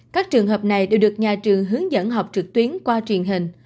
các trường hợp này đều được nhà trường hướng dẫn học trực tuyến qua truyền hình